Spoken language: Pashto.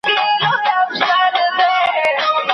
هر څوک به په اندېښنوکي ځان پاچا کړي